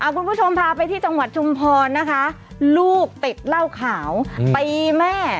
คุณผู้ชมพาไปที่จังหวัดชุมพรนะคะลูกติดเหล้าขาวตีแม่